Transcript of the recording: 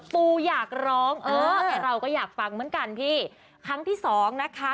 ปูอยากร้องเออแต่เราก็อยากฟังเหมือนกันพี่ครั้งที่สองนะคะ